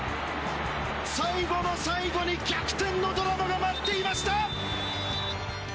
最後の最後に逆転のドラマが待っていました。